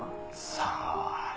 さあ。